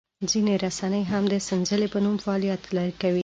ځینې رسنۍ هم د سنځلې په نوم فعالیت کوي.